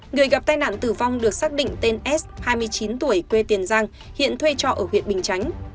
người gặp tai nạn tử vong được xác định tên s hai mươi chín tuổi quê tiền giang hiện thuê trọ ở huyện bình chánh